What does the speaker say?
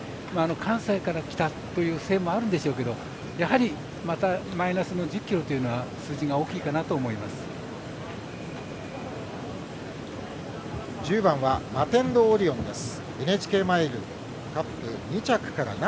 関西から来たというのもあるんでしょうけどやはり、またマイナスの１０ｋｇというのは１０番マテンロウオリオンです。